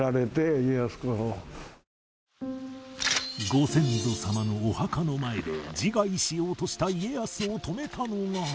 ご先祖様のお墓の前で自害しようとした家康を止めたのが